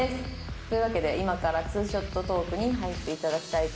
というわけで今から２ショットトークに入っていただきたいと思います」